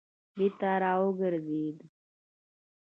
بېرته را وګرځېد.